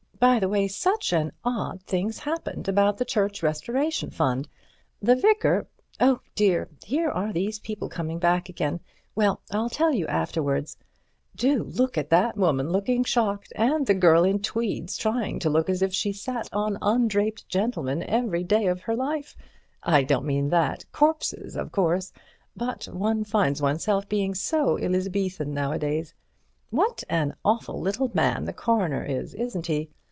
By the way, such an odd thing's happened about the Church Restoration Fund—the Vicar—oh, dear, here are these people coming back again; well, I'll tell you afterwards—do look at that woman looking shocked, and the girl in tweeds trying to look as if she sat on undraped gentlemen every day of her life—I don't mean that—corpses of course—but one finds oneself being so Elizabethan nowadays—what an awful little man the coroner is, isn't he?